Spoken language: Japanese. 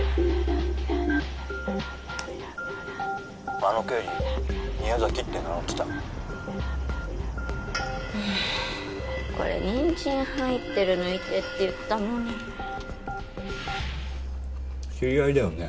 あの刑事宮崎って名乗ってたこれニンジン入ってる抜いてって言ったのに知り合いだよね？